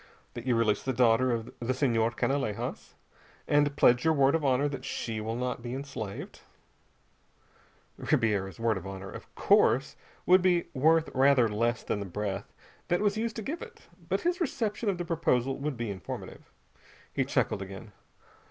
"That you release the daughter of the Senhor Canalejas and pledge your word of honor that she will not be enslaved." Ribiera's word of honor, of course, would be worth rather less than the breath that was used to give it. But his reception of the proposal would be informative. He chuckled again.